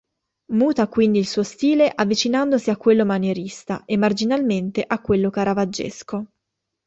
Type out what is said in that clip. Muta quindi il suo stile avvicinandosi a quello manierista e marginalmente a quello caravaggesco.